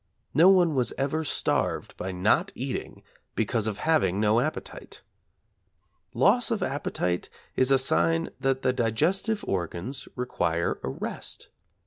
No one was ever starved by not eating because of having no appetite. Loss of appetite is a sign that the digestive organs require a rest.